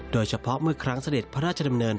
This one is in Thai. โดยเฉพาะเมื่อครั้งเสด็จพระราชดำเนิน